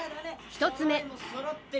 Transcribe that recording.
１つ目。